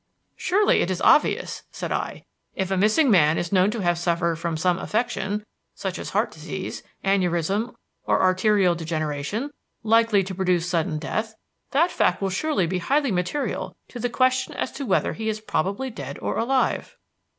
"Surely it is obvious," said I. "If a missing man is known to have suffered from some affection, such as heart disease, aneurism, or arterial degeneration, likely to produce sudden death, that fact will surely be highly material to the question as to whether he is probably dead or alive."